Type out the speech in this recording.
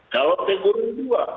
kalau tiguran dua